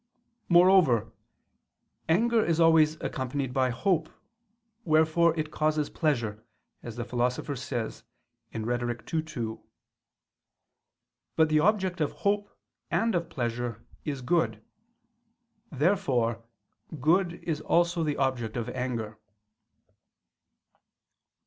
Moreover, anger is always accompanied by hope, wherefore it causes pleasure, as the Philosopher says (Rhet. ii, 2). But the object of hope and of pleasure is good. Therefore good is also the object of anger.